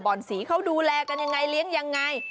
สีเขาดูแลกันยังไงเลี้ยงยังไง